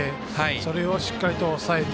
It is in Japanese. それをしっかりと抑えた。